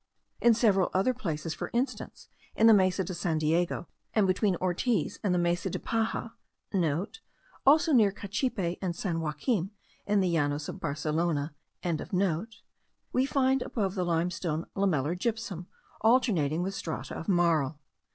In several other places, for instance in the Mesa de San Diego, and between Ortiz and the Mesa de Paja,* (* Also near Cachipe and San Joacquim, in the Llanos of Barcelona.) we find above the limestone lamellar gypsum alternating with strata of marl.